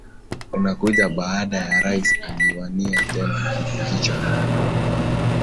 unakuja baada ya rais aliwania tena kiti hicho